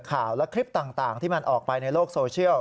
ข่าวและคลิปต่างที่มันออกไปในโลกโซเชียล